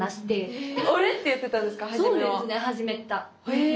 へえ。